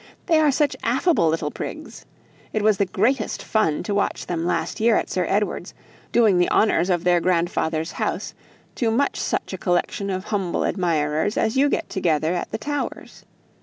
They are such affable little prigs. It was the greatest fun to watch them last year at Sir Edward's, doing the honours of their grandfather's house to much such a collection of humble admirers as you get together at the Towers.